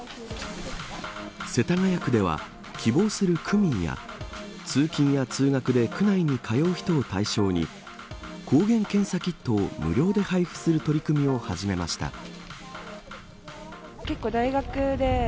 世田谷区では希望する区民や通勤や通学で区内に通う人を対象に抗原検査キットを無料で配布する取り組みを始めました。